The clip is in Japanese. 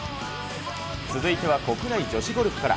続いては国内女子ゴルフから。